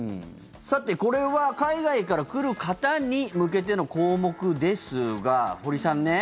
これは海外から来る方に向けての項目ですが、堀さん。